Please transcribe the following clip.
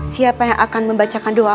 siapa yang akan membacakan doa